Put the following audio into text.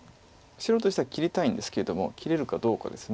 白としては切りたいんですけども切れるかどうかです。